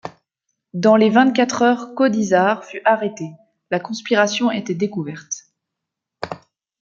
Dans les vingt-quatre heures Gaudissart fut arrêté: la conspiration était découverte.